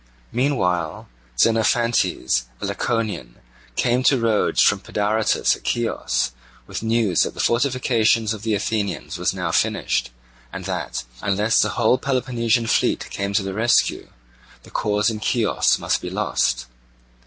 Meanwhile Xenophantes, a Laconian, came to Rhodes from Pedaritus at Chios, with the news that the fortification of the Athenians was now finished, and that, unless the whole Peloponnesian fleet came to the rescue, the cause in Chios must be lost.